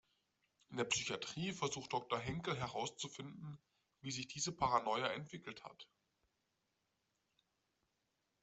In der Psychiatrie versucht Doktor Henkel herauszufinden, wie sich diese Paranoia entwickelt hat.